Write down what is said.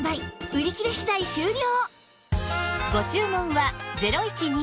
売り切れ次第終了